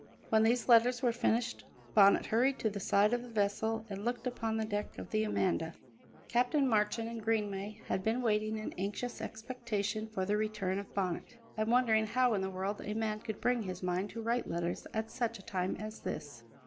When these letters were finished Bonnet hurried to the side of the vessel and looked upon the deck of the Amanda. Captain Marchand and Greenway had been waiting in anxious expectation for the return of Bonnet, and wondering how in the world a man could bring his mind to write letters at such a time as this.